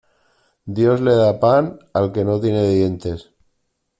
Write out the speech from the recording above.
Dios le da pan, al que no tiene dientes.